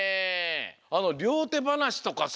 あのりょうてばなしとかさ。